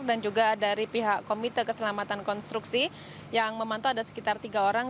dan juga dari pihak komite keselamatan konstruksi yang memantau ada sekitar tiga orang